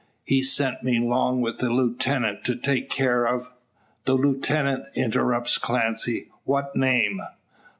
He sent me 'long with the lootenant to take care of " "The lieutenant!" interrupts Clancy. "What name?"